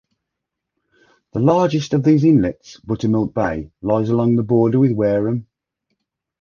The largest of these inlets, Buttermilk Bay, lies along the border with Wareham.